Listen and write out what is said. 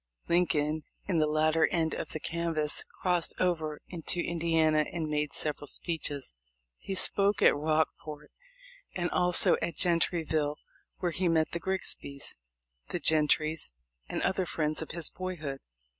Lincoln, in the latter end of the canvass, crossed over into Indiana and made several speeches. Lie spoke at Rockport and also at Gentryville, where he met the Grigsbys, the Gentrys, and other friends of his boyhood.